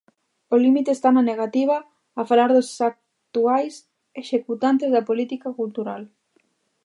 O límite está na negativa a falar dos actuais executantes da política cultural.